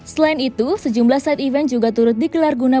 selain itu sejumlah side event juga turut dikelar gunakan